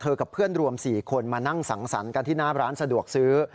กับเพื่อนรวม๔คนมานั่งสังสรรค์กันที่หน้าร้านสะดวกซื้อ